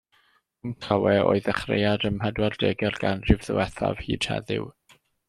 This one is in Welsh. Cwm Tawe, o'i ddechreuad ym mhedwardegau'r ganrif ddiwethaf hyd heddiw.